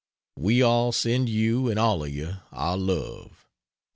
We all send you and all of you our love.